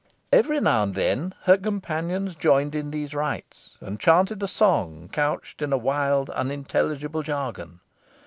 Every now and then her companions joined in these rites, and chanted a song couched in a wild, unintelligible jargon.